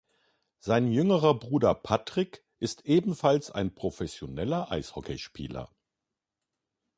Sein jüngerer Bruder Patrik ist ebenfalls ein professioneller Eishockeyspieler.